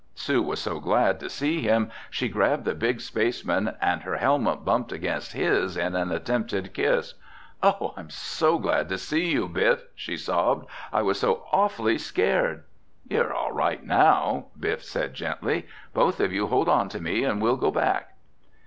Sue was so glad to see him she grabbed the big spaceman and her helmet bumped against his in an attempted kiss. "Oh, I'm so glad to see you, Biff!" she sobbed. "I was so awfully scared!" "You're all right now," Biff said gently. "Both of you hold on to me and we'll go back."